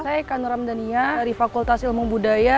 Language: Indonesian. saya kanuram dania dari fakultas ilmu budaya